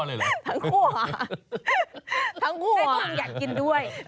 ให้ดังความอยากกินด้วย